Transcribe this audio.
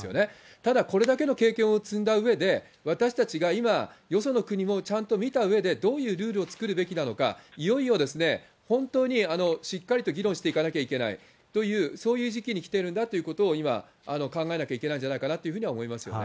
ただこれだけの経験を積んだうえで、私たちが今、よその国もちゃんと見たうえで、どういうルールを作るべきなのか、いよいよですね、本当にしっかりと議論していかなきゃいけないという、そういう時期に来ているんだということを今、考えなきゃいけないんじゃないかなというふうに思いますよね。